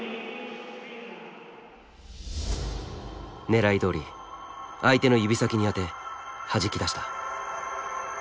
狙いどおり相手の指先に当てはじき出した。